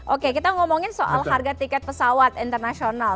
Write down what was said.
oke kita ngomongin soal harga tiket pesawat internasional